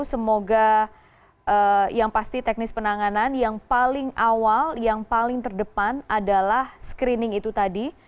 semoga yang pasti teknis penanganan yang paling awal yang paling terdepan adalah screening itu tadi